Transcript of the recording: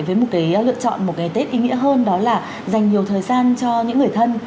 với một cái lựa chọn một cái tết ý nghĩa hơn đó là dành nhiều thời gian cho những người thân